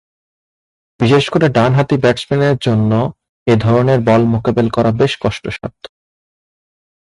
বিশেষ করে ডানহাতি ব্যাটসম্যান জন্য এ ধরনের বল মোকাবেলা করা বেশ কষ্টসাধ্য।